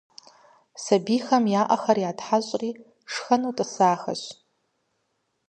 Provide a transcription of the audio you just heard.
Сабийхэм я ӏэхэр ятхьэщӏри шхэну тӏысахэщ.